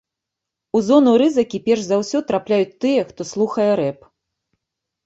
У зону рызыкі перш за ўсё трапляюць тыя, хто слухае рэп.